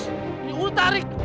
ini udah tarik